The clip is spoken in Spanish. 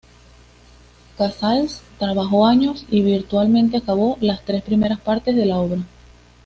Casals trabajó años y virtualmente acabó las tres primeras partes de la obra.